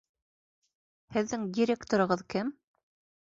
Һеҙҙең директорығыҙ кем?